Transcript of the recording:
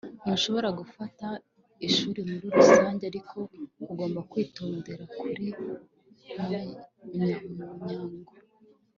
s] ntushobora gufata ishuri muri rusange, ariko ugomba kwitondera buri munyamuryango